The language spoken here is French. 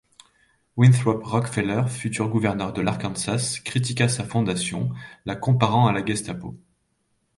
Winthrop Rockefeller, futur gouverneur de l'Arkansas, critiqua sa fondation, la comparant à la Gestapo.